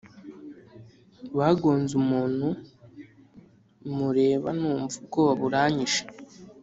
Bagonze umuntu mureba numva ubwoba buranyishe